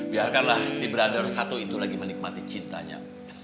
biarkanlah si brother satu itu lagi menikmati cintanya